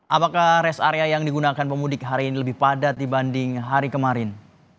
apakah rest area yang digunakan pemudik hari ini lebih padat dibanding hari kemarin